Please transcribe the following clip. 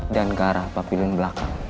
dan garah papilun belakang